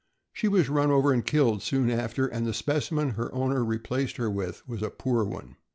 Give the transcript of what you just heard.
She was run over and killed soon after, and the specimen her owner replaced her with was a poor one.